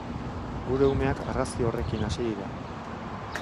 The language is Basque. Gure umeak argazki horrekin hasi dira.